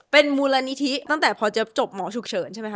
เป็นมูลนิธิตั้งแต่พอจะจบหมอฉุกเฉินใช่ไหมค